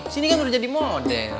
sini kan udah jadi model